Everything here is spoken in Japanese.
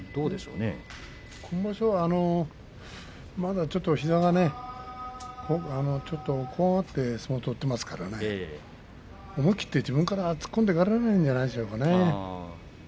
今場所はまだ膝がね怖がって相撲を取っていますから思い切って自分から突っ込んでいけないんじゃないでしょうかね。